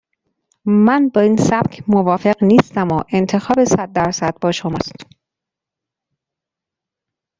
من با این سبک موافق نیستم و انتخاب صد در صد با شماست.